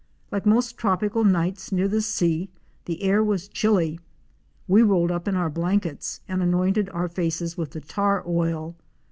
Like most tropical nights near the sea the air was chilly. We rolled up in our blankets, and anointed our faces with the tar oil.